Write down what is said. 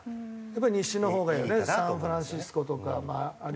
やっぱり西のほうがいいよねサンフランシスコとか。